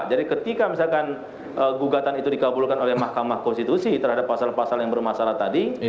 jadi ketika misalkan gugatan itu dikabulkan oleh mahkamah konstitusi terhadap pasal pasal yang bermasalah tadi